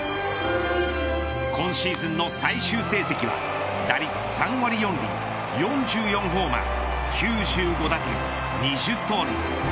今シーズンの最終成績は打率３割４厘４４ホーマー、９５打点２０盗塁。